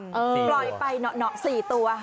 ปล่อยไป๔ตัว